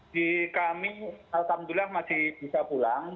di kami alhamdulillah masih bisa pulang